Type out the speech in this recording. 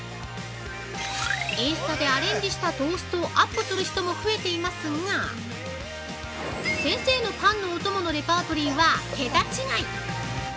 インスタで、アレンジしたトーストをアップする人も増えていますが先生のパンのお供のレパートリーはケタ違い！